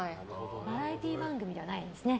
バラエティー番組じゃないんですね。